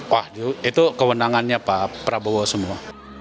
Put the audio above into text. waduh itu kewenangannya pak prabowo semua